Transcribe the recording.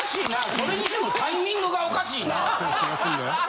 それにしてもタイミングがおかしいなぁ。